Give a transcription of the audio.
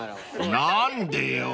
［何でよ］